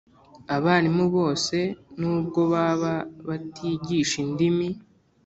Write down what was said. abarimu bose nubwo baba batigisha indimi